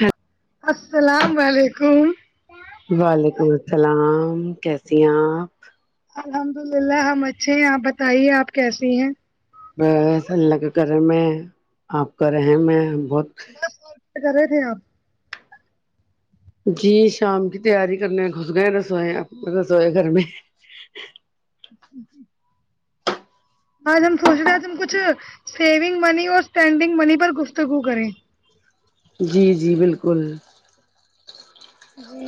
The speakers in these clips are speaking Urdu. ہاں السلام وعلیکم وعلیکم السلام کیسی آپ الحمد للہ ہم اچھے ہیں آپ بتائیے آپ کیسی ہیں بس اللہ کا کرم ہے آپ کا رہم ہےہم بہت کرے تھے آپ جی شام کی تیاری کرنے گھس گئے رسوئینے رسوئی گھر میں ھ ھ آج ہم سوچ رہے ہیں تم کچھ سیونگ منی اور اسٹینڈنگ منی پر گفتگو کریں جی جی بالکل جی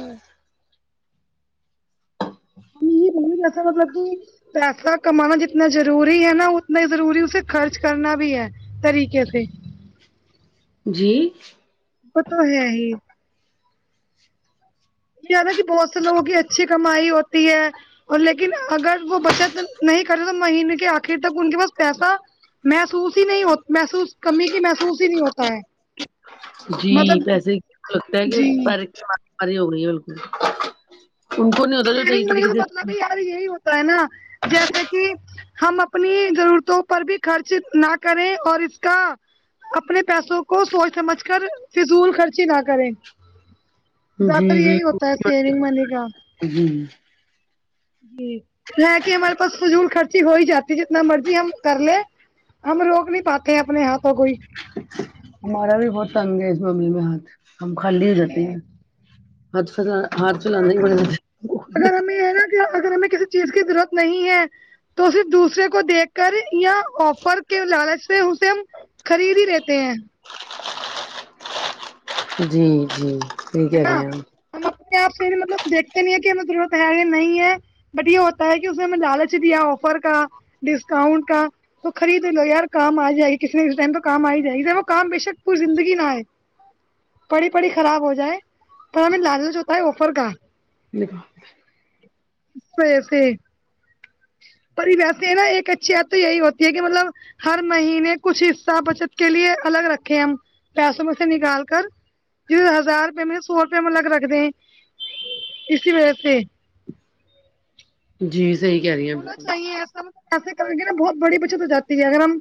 یہ بن [unintelligible] گ جیسا مطلب کہ پیسہ کمانا جتنا ضروری ہے نا اتنا ضروری اسے خرچ کرنا بھی ہے طریقے سے جی وہ تو ہے ہی کیا نا کہ بہت سے لوگوں کی اچھی کمائی ہوتی ہے اور لیکن اگر وہ بچت نہیں کرتے تو مہینے کے آخر تک ان کے پاس پیسہ محسوس ہی نہیں ہو محسوس کمی کی محسوس ہی نہیں ہوتا ہے جی مطلب جی مت اری ہو گئی ہے بالکل ان کو نہیں ہوتا جو صحیح سیونگ منی طریقے کا سے مطلب یار یہی ہوتا ہے نا جیسے کہ ہم اپنی ضرورتوں پر بھی خرچ نہ کریں اور اس کا اپنے پیسوں کو سوچ سمجھ کر فضول خرچی نہ کریں زیاد تر جی یہی ہوتا ہے جی سیونگ منی کا جی جی یہ کہ ہمارے پاس فضول خرچی ہو ہی جاتی جتنا مرضی ہم کر لیں ہم روک نہیں پاتے ہیں اپنے ہاتھوں کوئی ہمارا بھی بہت تنگ ہے اس معاملے میں ہاتھ ہم خاللی رہتے ہیں ہاتھ پہ ہاتھ چلانے والے میچ ہاں اگر ہمیں کسی چیز کی ضرورت نہیں ہے تو صرف دوسرے کو دیکھ کرے یا آفر کے لالچ سے اسے ہم خرید ہی لیتے ہیں جی جی صحیح ہے کہہ نا رہی ہیں ہم اپنے آپ سے بھی مطلب دیکھتے نہیں ہیں کہ ہمیں ضرورت ہے یہ نہیں ہے بٹ یہ ہوتا ہے کہ اس نے ہمیں لالچ دیا آفر کا ڈسکاؤنٹ کا تو خرید لو یار کام آ جائےے کسی نے اس ٹائم تو کام آ ہی جائے گ وہ کام بے شک پوری زندگی نہ آئے پڑی پڑی خراب ہو جائے تو ہمیں لالچ ہوتا ہے آفر کا [unintelligible] [unintelligible] پر ویسے نا ایک اچھی عادت تو یہی ہوتی ہے کہ مطلب ہر مہینے کچھ حصہ بچت کے لیے الگ رکھے ہم پیسوں میں سے نکال کر ج ہزار روپئے مے سو روپئے لگ رکھ دہیں اسی وجہ سے جی صحیح کہہ رہی ہیں ہونا بالکل چاہیے ایسا ایسے کرو گے نا بہت بڑی بچت ہو جاتی ہے اگر ہم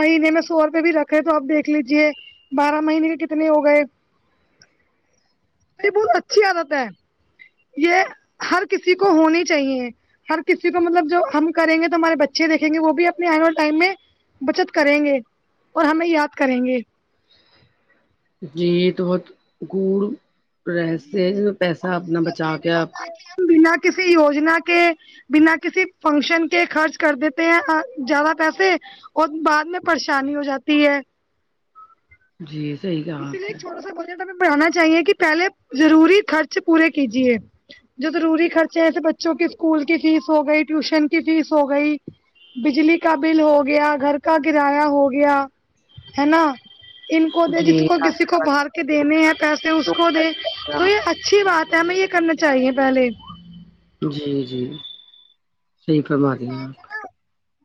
مہینے میں سو روپئے بھی رکھے تو آپ دیکھ لیجے بارہ مہینے کے کتنے ہو گئے یہ بہت اچھی عادت ہے یہ ہر کسی کو ہونی چاہیے ہر ک سی کو مطلب جو ہم کریں گے تو ہمارے بچے دیکیں گے وہ بھی اپنے آنے والے ٹائم میں بچت کریں گے اور ہمیں یاد کریں گے جی یہ تو بہت گڑ رہسیہ ہے ج پیسہ اور اپنا دوسری بات بچا یہ بھی کے آپ ہوتا ہے کہ بنا کسی یوجنا کے بنا کسی فنکشن کے خرچ کر دیتے ہیں زیادہ پیسے اور بعد میں پریشانی ہو جاتی ہے جی صحیح کہا اسی لیے آپ ایک نے چھوٹا سا بجٹ ہمیں بنانا چاہیے کہ پہلے ضروری خرچ پورے کیجیے جو ضروری خرچے ایسے بچوں کی اسکول کی فیس ہو گئی ٹیوشن کی فیس ہو گئی بجلی کا بل ہو گیا گھر کا کرایہ ہو گیا ہے نا ان کو دے جس جی کو خاص کسی کو کر بار کے دینے ہیں پیسے اس کو دے تو یہ اچھی بات ہے ہمیں یہ کرنا چاہیے پہلے جی جی صحیح فرما رہی آپ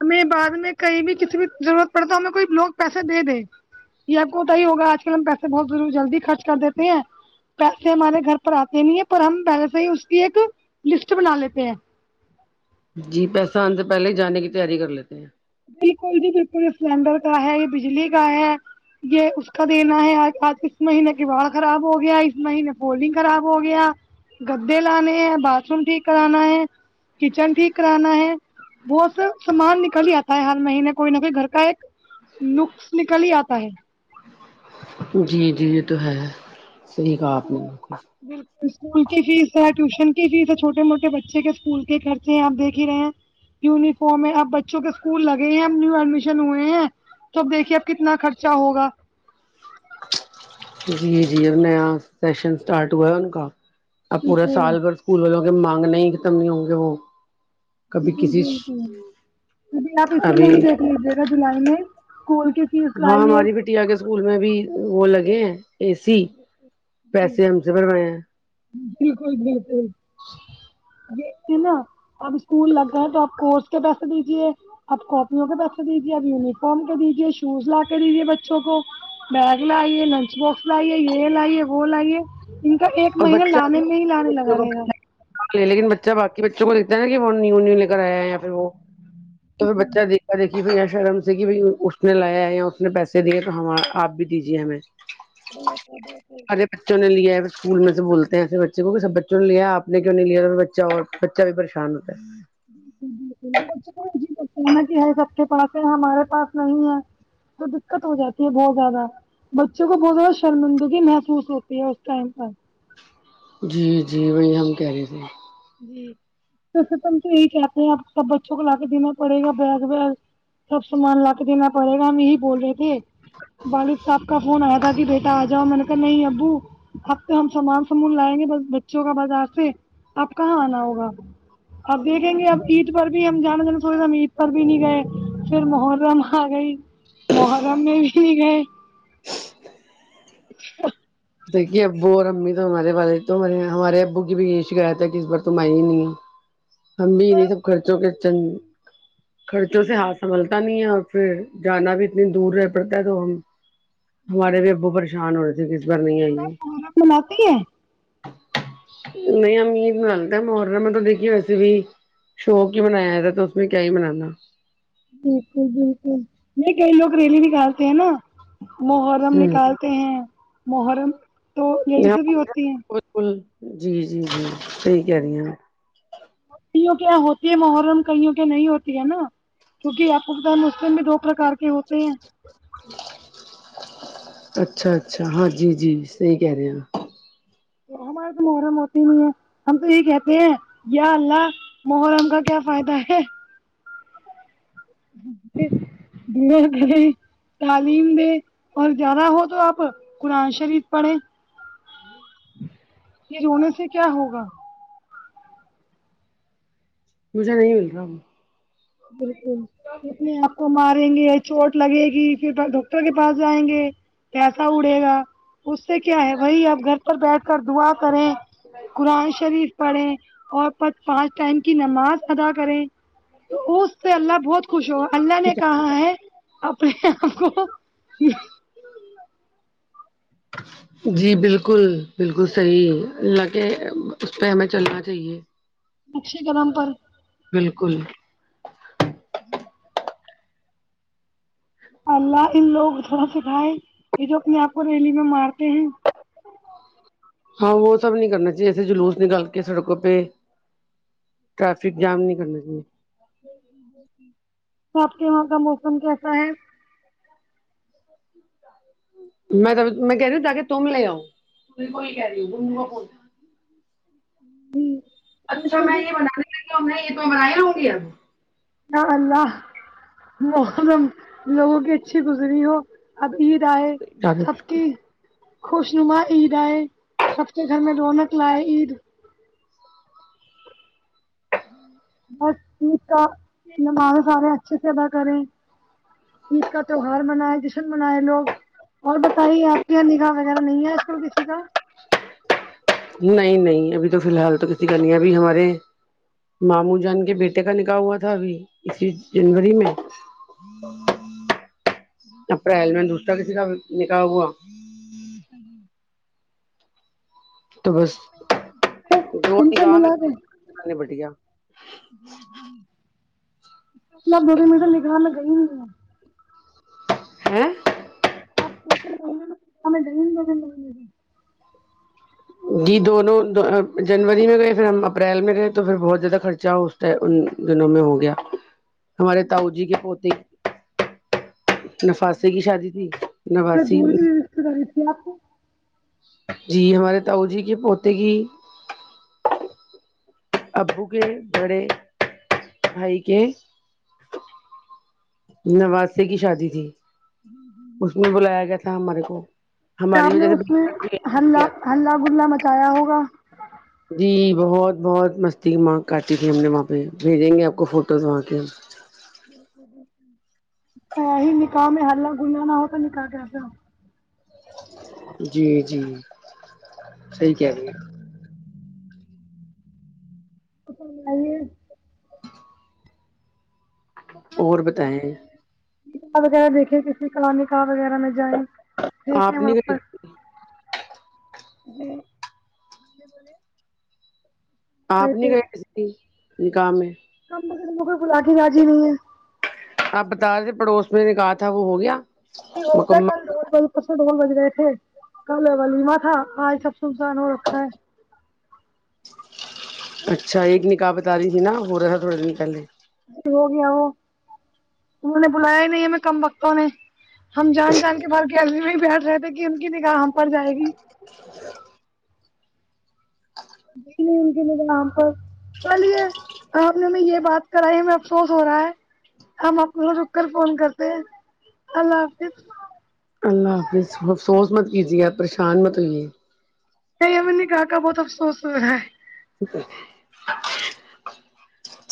ہمیں بعد میں کہیں بھی کسی بھی ضرورت پڑے تو ہمیں کوئی لوگ پیسے دے دیں یہ اب ہوتا ہی ہوگا آج کل ہم پیسے بہت ضرور جلدی خرچ کر دیتے ہیں پیسے ہمارے گھر پر آتے نہیں ہے پر ہم پہلے سے ہی اس کی ایک لسٹ بنا لیتے ہیں جی پیسہ آنے سے پہلے ہی جانے کی تیاری کر لیتے ہیں بالکل جی بالکل یہ سلنڈر کا ہے یہ بجلی کا ہے یہ اس کا دینا ہےآج آج کس مہینے کی باڑھ خراب ہو گیا ہے اس مہینے پولنگ خراب ہو گیا گدے لانے ہیں باتھ روم ٹھیک کرانا ہے کچن ٹھیک کرانا ہے بہت سے سامان نکل ہی آتا حال مہینے کوئی نہ کوئی گھر کا ایک نکس نکل ہی آتا ہے جی جی یہ تو ہے صحیح کہا آپ نے اسکول بالکل اسکول کی فیس ہے ٹیوشن کی فیس ہے چھوٹے موٹے بچے کے اسکول کے خرچے ہیں آپ دیکھ ہی رہے ہیں یونیفارم ہے اب بچوں کے اسکول لگے ہیں ہم نیو ایڈمیشن ہوئے ہیں تو اب دیکھیے اب کتنا خرچہ ہوگا جی جی نیا سیشن اسٹارٹ ہوا ان کا ا پورا بالکل سال بھر اسکول والوں کی مانگ نہیں ختم نہیں ہوں گے وہ جی کبھی کسی جی جی جی آپ اسی ابھی مہینے دیکھ لیجیے گا جولائی میں اسکول کے ہاں ہماری بٹیا کے اسکول میں بھی وہ لگے ہیں اے سی پیسے ہم سے بھروائے ہیں بالکل بالکل دیکھتے نا اب اسکول لگ گئے تو آپ کورس کے پیسے دیجیے اب کاپیوں کے پیسے دیجیے اب یونیفارم کے دیجیے شوز لا کے دیجیے بچوں کو بیگ لائیے لنچ باکس لائیے یہ لائیے وہ لائیے ان کا ایک اور مہینہ بچہ لانے میں ہی لانے بچوں لگا کو رہے گا لے لیکن بچے باقی بچوں کو دیکھتے ہے کہ وہ نیو نیو لے کر آے ہے یا پھر وہ تو پھر بچہ دیکھا دیکھ بھیا شرم سے کہ بھائی اس نے لایا ہے یا اس نے پیسے دیے تو ہم آپ بھی دیجیے ہمیں [inaudible] سارے بچوں نے لیا اسکول میں سے بولتے ہے ایسے بچے کو کہ سب بچوں نے لیا آ نے کیوں نہیں لیا تو بچہ اور بچہ بھی پریشان ہوتا ہے بالکل بالکل [unintelligible] کہتے ہے نہ سب کے پاس ہے ہمارے پاس نہیں ہے تو دقت ہو جاتی ہے بہت زیادہ بچوں کو بہت زیادہ شرمندگی محسوس ہوتی ہے اس ٹائم پر جی جی وہی ہم کہہ رہے تھے جی تو تم تو یہی کہتے ہیں آپ سب بچوں کو لا کے دینا پڑے گا بیگ ویگ سب سامان لا کے دینا پڑے گا ہم یہی بول رہے تھے والد صاحب کا فون آیا تھا کہ بیٹا آ جاؤ میں نے کہا نہیں ابو اب تو ہم سامان سمون لائیں گے بس بچوں کا بازار سے آپ کہاں آنا ہوگا اب دیکھیں گے اب عید پر بھی ہم جانا جانا تھوڑے سا ہم عید پر بھی نہیں گئے پھر محرم آ گئی محرم میں بھی نہیں گئے [inaudible] دیکھیے ابو اور امی تو ہمارے والے تو ہمار ہمارے ابو کی بھی یہی شکایت ہے کہ اس بار تم آئی ہی نہیں ہم بھی انہی سب خرچوں کے چند خرچوں سے ہاتھ سنبھلتا نہیں ہے اور پھر جانا بھی اتنی دور رہ پڑتا ہے تو ہم ہمارے بھی ابو پریشان ہو رہے تھے کی اس بار نہیں آئی ہے محرم مناتی ہے نہیں ہم عید منالیتے ہیں محرم میں تو دیکھیے بھی شوق ہی منایا ہے تھا تو اس میں کیا ہی منانا بالکل بالکل یہ کئی لوگ ریلی نکالتے ہیں نا محرم ہوں نکال تے ہیں محرم تو لیڈیزیں بھی ہوتی ہیں بالکل جی جی جی صحیح کہہ رہی ہوں کئیوں کے یہاں ہوتی ہے محرم کئیوں کے نہیں ہوتی ہے نا کیونکہ آپ کو پتا ہے مسلم بھی دو پرکار کے ہوتے ہیں اچھا اچھا ہاں جی جی صحیح کہہ رہے ہمارے تو محرم ہوتی نہیں ہے ہم تو یہ کہتے ہیں یا اللہ محرم کا کیا فائدہ ہے [unintelligible] تعلیم دے اور زیادہ ہو تو آپ قرآن شریف پڑھیں یہ رونے سے کیا ہوگا مجھے نہیں مل رہا بالکل اپنے آپ کو ماریں گے چوٹ لگے گی پھر ڈاکٹر کے پاس جائیں گے پیسہ اڑے گا اس سے کیا ہے وہی آپ گھر پر بیٹھ کر دعا کریں قرآن شریف پڑھیں اور پنچ پانچ ٹائم کی نماز ادا کریں اس سے اللہ بہت خوش ہوگا اللہ نے کہا ہے اپنے آپ کو جی بالکل بالکل صحیح اللہ کہ اس پہ ہمیں چلنا چاہیے نقشہ قدم پر بالکل اللہ ان لوگ کو تھوڑا سکھائے کہ جو اپنے آپ کو ریلی میں مارتے ہیں ہاں وہ سب نہیں کرنا چاہیے ایسے جلوس نکال کے سڑکوں پہ ٹریفک جام نہیں کرنا چاہیے تو آپ کے یہاں کا موسم کیسا ہے [unintelligible] میں تو میں کہہ رہی ہوں جا کے تم لے آؤ [unintelligible] اچھا کل میں کے یہ بنانے لاگو گی اے تمہارے ہوگیا یا اللہ محرم لوگوں کی اچھی گزری ہو اب عید آئے اب سب کی خوش نما عید آئے سب کے گھر میں رونق لائے عید بس عید کا نمازیں سارے اچھے سے ادا کریں عید کا تہوار منائے جشن منائے لوگ اور بتائیے آپ کے یہاں نگاہ وغیرہ نہیں ہے آج کل کسی کا نہیں نہیں ابھی تو فی الحال تو کسی کا نہیں ہے ابھی تو ہمارے ماموں جان کے بیٹے کا نکاح ہوا تھا ابھی اسی جنوری میں اپریل میں دوسرا کسی کا نکاح ہوا اچھا جی تو بس تو [unintelligible] دو ہم ہے سے کام ملا ہے بٹیا اپنا دو بھی [unintelligible] مٹر نگان لگئی ہ ہے آ میں دی ل بےے [unintelligible] جی دونوں جنوری میں گئے پھر ہم اپریل میں گئے تو پھر بہت زیادہ خرچہ ہو ان دنوں میں ہو گیا ہمارے تاؤ جی کے پوتی نفاسے کی شادی تھی نواسی کری تھی آپ کو جی ہمارے تاؤ جی کے پوتے کی ابو کے بڑے بھائی کے نواسے کی شادی تھی اس میں بلایا گیا تھا ہمارے کو کیا ہماری آپ نے وجہ سے اس میں ہلہ [unintelligible] ہلہ گلا مچایا ہوگا جی بہت بہت مستی وہاں کاٹی تھی ہم نے وہاں پہ بھیجیں گے آپ کو فوٹوز وہاں کے ای ہی نکاح میں ہلہ گلہ نہ ہو تو نکاح کیسا ہو جی جی صحیح کہ رہے ہیں [unintelligible] اور بتائے اور وغیرہ دیکھے کسی کلامی وغیرہ میں جائیں پھینکیں آپ وہاں نے پر جی آپ نہیں گئے کسی بھی نکاح میں [unintelligible] بلا کے راضی نہیں ہیں آپ بتا رہے تھے پڑوس میں نکاح تھا وہ ہو گیا ج وہ تو ک مکمل [unintelligible] اس میں ڈول بج گئے تھے کل ولیما تھا آج سب سنسان ہو رکھا ہے اچھا ایک نکاح بتا رہی تھی نا ہو رہا تھا تھوڑے دن پہلے ہو گیا وہ انوں نے بلایا ہی نہیں ہے میں کم بختوں نے ہم جان جان کے بھر گمی میں بیٹھ رہے تھے کہ ان کی نگاہ ہم پر جائے گی نہیں نہیں انکے نگھا ہم پر چلیے آپ نے ہمیں یہ بات کراے ہم افسوس ہو رہا ہے ہم اپ کو رخ کر فون کرتے ہیں اللہ حافظ اللہ حافظ افسوس مت کیجیے آپ پریشان مت ہوئیے نہیں ہمیں نکاح کا بہت افسوس ہو رہا ہے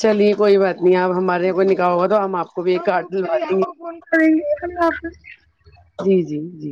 چلیے کوئی بات نہیں آپ ہمارے یہاں کوئی نکاح ہوگا توہ ہم آپ کو بھی ایک ہم کارڈ رک کر دلوا ہی دیں آپ گے کو فون اللہ حافظ [unintelligible] جی جی جی